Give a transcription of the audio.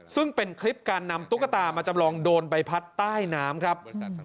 ซึ่งเป็นคลิปการนำตุ๊กตามาจำลองโดนใบพัดใต้น้ำครับ